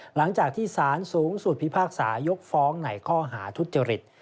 หลังจากที่สารสูงสุดพิพากษายกฟ้องในข้อหาทุจริต